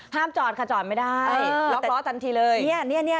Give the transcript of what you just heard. ห้ามจอดค่ะจอดไม่ได้